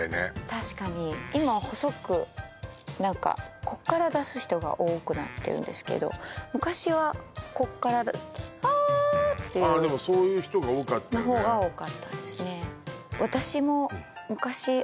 確かに今細く何かここから出す人が多くなってるんですけど昔はここから「あ」っていうああでもそういう人が多かったのほうが多かったですね